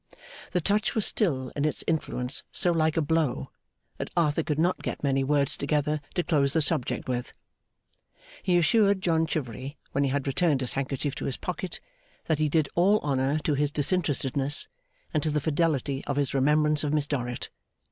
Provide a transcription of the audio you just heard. The touch was still in its influence so like a blow that Arthur could not get many words together to close the subject with. He assured John Chivery when he had returned his handkerchief to his pocket, that he did all honour to his disinterestedness and to the fidelity of his remembrance of Miss Dorrit.